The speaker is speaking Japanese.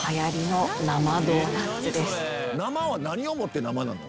生は何をもって生なの？